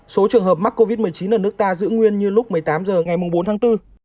số trường hợp mắc covid một mươi chín ở nước ta giữ nguyên như lúc một mươi tám h ngày bốn tháng bốn